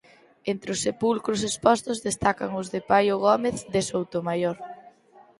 Entre os sepulcros expostos destacan os de Paio Gómez de Soutomaior.